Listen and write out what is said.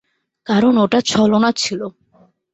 কারণ ওটা ছলনা ছিলো।